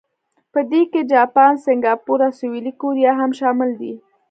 په دې کې جاپان، سنګاپور او سویلي کوریا هم شامل دي.